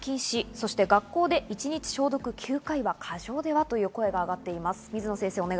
会社内で原則雑談禁止、そして学校で一日で消毒を９回は過剰では？という声が上がっています。